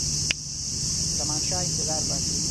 زمانشاه انتظار باسي.